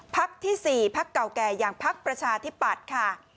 ที่๔พักเก่าแก่อย่างพักประชาธิปัตย์ค่ะ